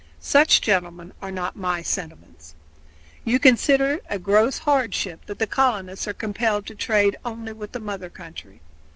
Such, gentlemen, are not my sentiments. You consider it a gross hardship that the colonists are compelled to trade only with the mother country.